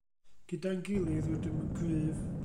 Gyda'n gilydd rydym yn gryf.